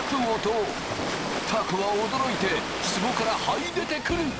たこは驚いてつぼからはい出てくる。